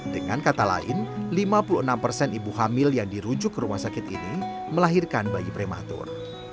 dengan kata lain lima puluh enam persen ibu hamil yang dirujuk ke rumah sakit ini melahirkan bayi prematur